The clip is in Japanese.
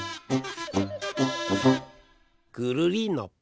ぐるりんのぱ。